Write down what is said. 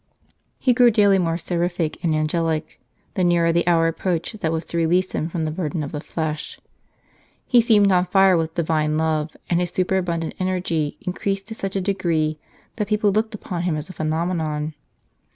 He grew daily more seraphic and angelic the nearer the hour approached that was to release him from the burden of the flesh. He seemed on fire with Divine love, and his superabundant energy increased to such a degree that people looked upon him as a phenomenon.